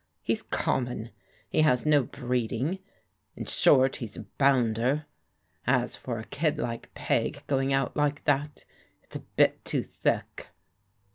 He's common, he has no breeding — in short he's a bounder. As for a kid like P^ going out like that, it's a bit too thick."